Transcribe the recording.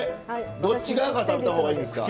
どっち側から食べた方がいいんですか？